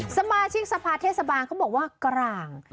สมาชิกสภาเทศบาลเขาบอกว่ากลาง